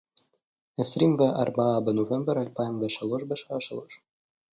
עשרים וארבעה בנובמבר אלפיים ושלוש בשעה שלוש